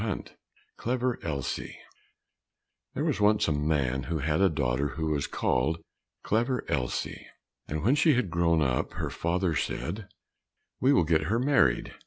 34 Clever Elsie There was once a man who had a daughter who was called Clever Elsie. And when she had grown up her father said, "We will get her married."